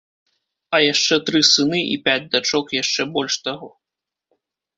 А яшчэ тры сыны і пяць дачок яшчэ больш таго.